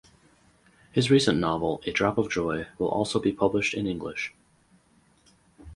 His recent novel "A Drop of Joy" will also be published in English.